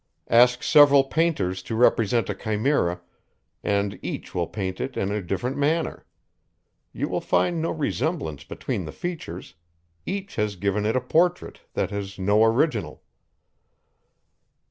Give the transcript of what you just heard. Ask several painters to represent a chimera, and each will paint it in a different manner. You will find no resemblance between the features, each has given it a portrait, that has no original.